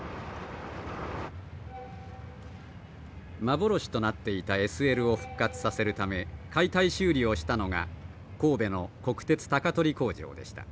幻となっていたＳＬを復活させるため解体修理をしたのが神戸の国鉄鷹取工場でした。